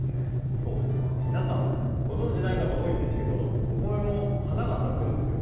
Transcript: そう皆さんご存じない方多いんですけどお米も花が咲くんですよ。